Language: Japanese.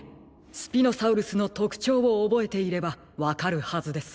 スピノサウルスのとくちょうをおぼえていればわかるはずです。